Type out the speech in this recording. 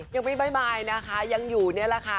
ยังไม่บ๊ายนะคะยังอยู่นี่แหละค่ะ